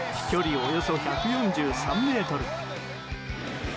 およそ１４３ｍ。